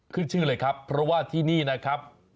ขึ้นชื่อเลยครับเพราะว่าที่นี่นะครับ